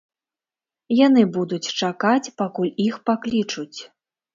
Яны будуць чакаць, пакуль іх паклічуць.